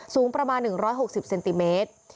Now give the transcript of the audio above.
สูงประมาณ๑๖๐เซนติเมตร